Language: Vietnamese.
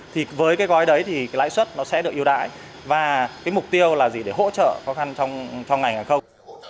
thì với cái gói đấy thì cái lãi suất nó sẽ được yêu đại và cái mục tiêu là gì để hỗ trợ khó khăn trong ngành hàng không